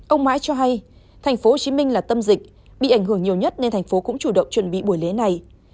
ông mãi cho hay tp hcm là tâm dịch bị ảnh hưởng nhiều nhất nên thành phố cũng chủ động chuẩn bị buổi lễ này